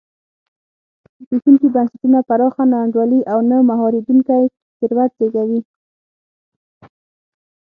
زبېښونکي بنسټونه پراخه نا انډولي او نه مهارېدونکی ثروت زېږوي.